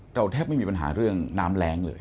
แทบไม่มีปัญหาเรื่องน้ำแรงเลย